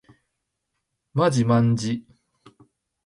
まじまんじ